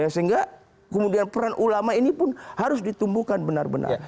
sehingga kemudian peran ulama ini pun harus ditumbuhkan benar benar